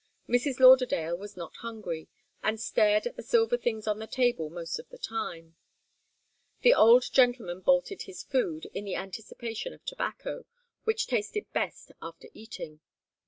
Mrs. Lauderdale was not hungry, and stared at the silver things on the table most of the time. The old gentleman bolted his food in the anticipation of tobacco, which tasted best after eating.